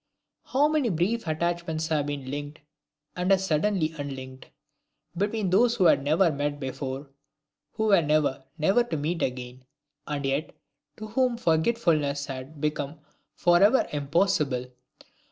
How many brief attachments have been linked and as suddenly unlinked, between those who had never met before, who were never, never to meet again and yet, to whom forgetfulness had become forever impossible!